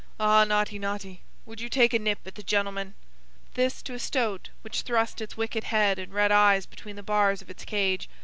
Ah, naughty, naughty, would you take a nip at the gentleman?" This to a stoat which thrust its wicked head and red eyes between the bars of its cage.